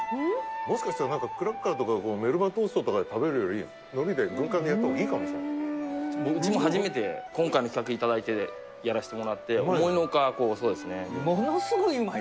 もしかしたらクラッカーとかメルバトーストとかで食べるより海苔で軍艦でやったほうがいいかもしれないうちも初めて今回の企画いただいてやらしてもらって思いのほかそうですねうまい！